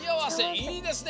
いいですね！